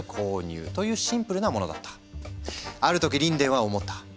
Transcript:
ある時リンデンは思った。